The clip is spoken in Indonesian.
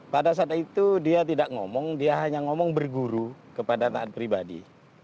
pada saat itu dia tidak ngomong dia hanya ngomong berguru kepada taat pribadi